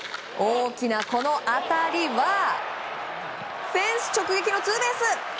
大きなこの当たりはフェンス直撃のツーベース。